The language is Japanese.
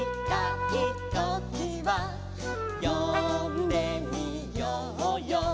「よんでみようよ